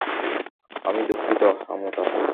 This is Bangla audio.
আমি দুঃখিত, আমুথা।